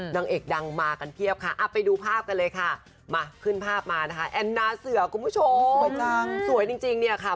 นังเอกดังมากันเพียบไปดูภาพกันเลยค่ะ